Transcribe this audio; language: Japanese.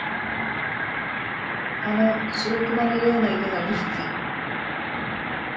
あの白熊のような犬が二匹、